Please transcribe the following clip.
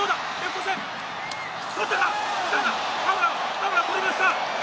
多村、とりました！